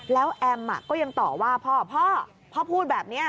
แล้วแอมก็ยังต่อว่าพ่อพ่อพูดแบบนี้